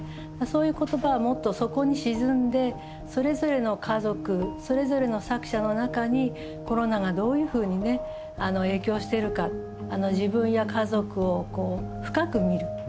そういう言葉はもっと底に沈んでそれぞれの家族それぞれの作者の中にコロナがどういうふうに影響しているか自分や家族を深く見る。